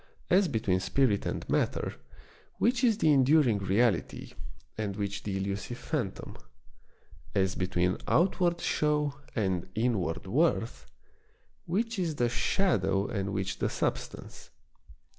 As between spirit and matter, which is the enduring reality, and which the elusive phantom } As between outward show and inward worth, which is the shadow and which the substance